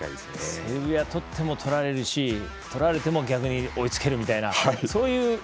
セルビア取っても取られるし取られても逆に追いつけるという。